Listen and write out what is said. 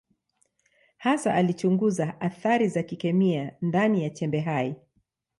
Hasa alichunguza athari za kikemia ndani ya chembe hai.